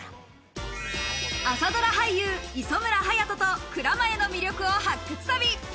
朝ドラ俳優・磯村勇斗と蔵前の魅力を発掘旅。